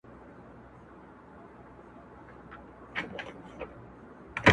جانانه څه درته ډالۍ كړم د حيا پـر پـــــــــاڼــــــــــه.